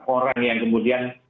orang yang kemudian